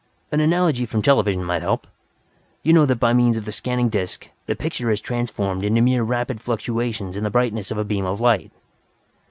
"An analogy from television might help. You know that by means of the scanning disc, the picture is transformed into mere rapid fluctuations in the brightness of a beam of light.